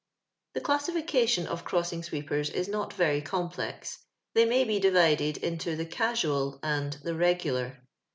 Tho classification of crossing sweepers is not very complex. They may be divided into the casual and the regular.